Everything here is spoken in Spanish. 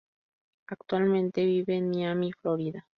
Actualmente vive en Miami, Florida.